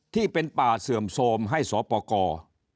ที่เป็นป่าเสื่อมโทรมให้สอปกร